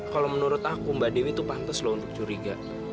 kalau menurut aku mbak dewi itu pantas loh untuk curiga